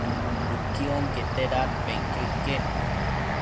nuqui onquete dadpenquio iquec